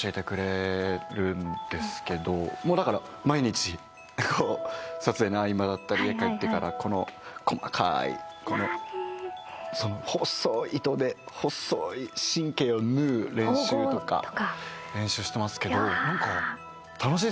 だから毎日撮影の合間だったり家帰ってから細かいこの細い糸で細い神経を縫う練習とか。縫合とか。練習してますけど何か楽しいですね。